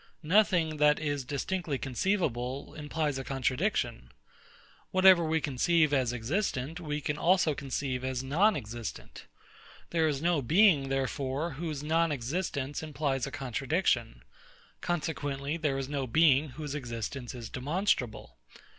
Nothing, that is distinctly conceivable, implies a contradiction. Whatever we conceive as existent, we can also conceive as non existent. There is no being, therefore, whose non existence implies a contradiction. Consequently there is no being, whose existence is demonstrable.